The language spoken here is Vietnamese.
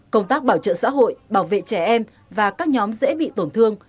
công tác bảo trợ xã hội bảo vệ trẻ em và các nhóm dễ bị tổn thương